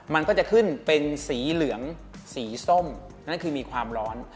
มันก็จะขึ้นเป็นสีเหลืองสีส้มนั่นคือมีความร้อน